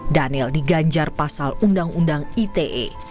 daniel diganjar pasal undang undang ite